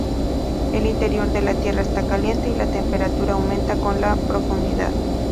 El interior de la Tierra está caliente y la temperatura aumenta con la profundidad.